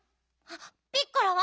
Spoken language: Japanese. ピッコラは？